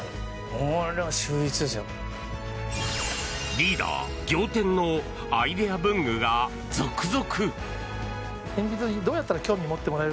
リーダー仰天のアイデア文具が続々！